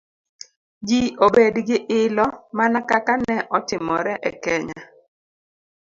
ji obed gi ilo, mana kaka ne otimore e Kenya